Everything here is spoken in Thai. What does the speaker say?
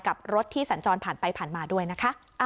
รถที่สัญจรผ่านไปผ่านมาด้วยนะคะ